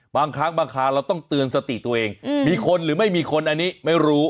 บางครั้งบางคราวเราต้องเตือนสติตัวเองมีคนหรือไม่มีคนอันนี้ไม่รู้